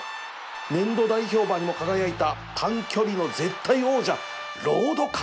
年度代表馬にも輝いた短距離の絶対王者